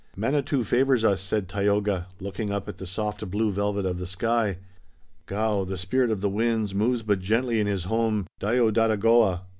"Manitou favors us," said Tayoga, looking up at the soft blue velvet of the sky. "Gaoh, the spirit of the Winds, moves but gently in his home, Dayodadogowah."